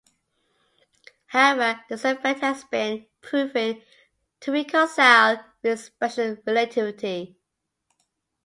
However, this effect has been proven to reconcile with Special Relativity.